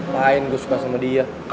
main gue suka sama dia